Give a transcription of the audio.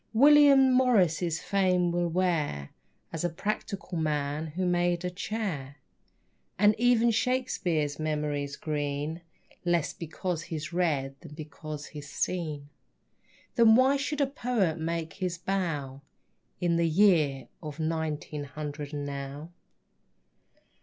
William Morris's fame will wear As a practical man who made a chair. And even Shakespere's memory's green Less because he's read than because he's seen. Then why should a poet make his bow In the year of nineteen hundred and now?